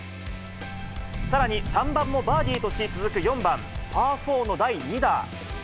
さらに、３番もバーディーとし、続く４番パー４の第２打。